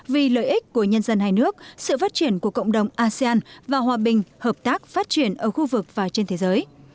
vì lợi ích của nhân dân hai nước sự phát triển của cộng đồng asean và hòa bình hợp tác phát triển ở khu vực và trên thế giới